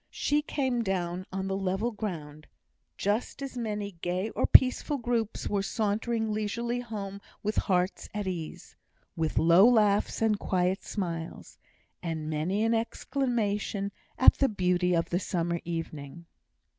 She came down on the level ground, just as many gay or peaceful groups were sauntering leisurely home with hearts at ease; with low laughs and quiet smiles, and many an exclamation at the beauty of the summer evening.